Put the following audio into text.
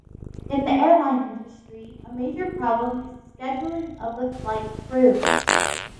In the airline industry a major problem is the scheduling of the flight crews.